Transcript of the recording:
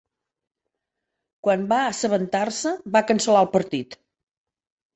Quan va assabentar-se, va cancel·lar el partit.